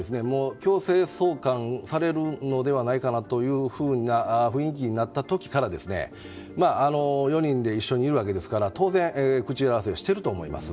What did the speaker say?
強制送還されるのではないかという雰囲気になってから４人で一緒にいるわけですから当然口裏合わせをしていると思います。